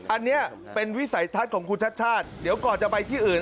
อันนี้เป็นวิสัยทัศน์ของคุณชัดชาติเดี๋ยวก่อนจะไปที่อื่น